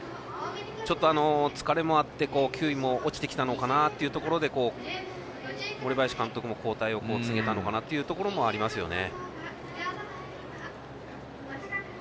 ちょっと疲れもあって球威も落ちてきたのかなというところで森林監督も交代を告げたのかなというところもありますよね。